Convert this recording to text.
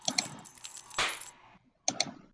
凌驾於一切之上